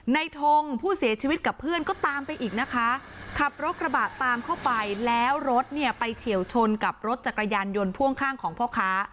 ทงผู้เสียชีวิตกับเพื่อนก็ตามไปอีกนะคะขับรถกระบะตามเข้าไปแล้วรถเนี่ยไปเฉียวชนกับรถจักรยานยนต์พ่วงข้างของพ่อค้า